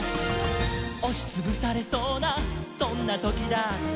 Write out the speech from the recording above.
「おしつぶされそうなそんなときだって」